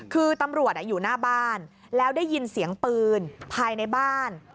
คือตำรวจอยู่หน้าบ้านแล้วได้ยินเสียงปืนภายในบ้าน